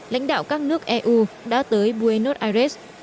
lãnh đạo các nước eu đã tới buenos aires